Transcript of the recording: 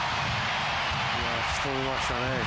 しとめましたね。